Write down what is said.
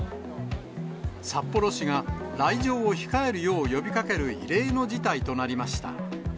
札幌市が来場を控えるよう呼びかける異例の事態となりました。